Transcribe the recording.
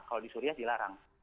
kalau di suria dilarang